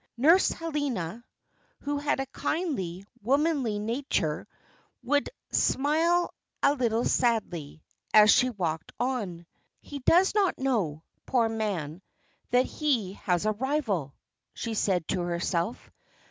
Nurse Helena, who had a kindly, womanly nature, would smile a little sadly, as she walked on. "He does not know, poor man, that he has a rival," she said to herself.